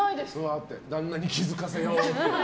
旦那に気づかせようって。